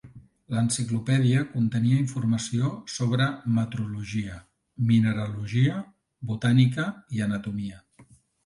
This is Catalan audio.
L"enciclopèdia contenia informació sobre metrologia, mineralogia, botànica i anatomia.